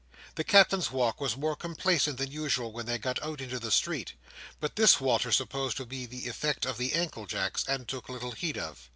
The Captain's walk was more complacent than usual when they got out into the street; but this Walter supposed to be the effect of the ankle jacks, and took little heed of.